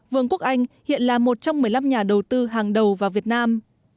vương quốc anh hiện là một trong một mươi năm nhà đầu tư hàng đầu vào việt nam